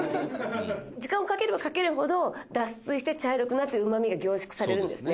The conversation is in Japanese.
「時間をかければかけるほど脱水して茶色くなってうまみが凝縮されるんですね」